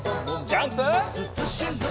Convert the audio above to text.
ジャンプ！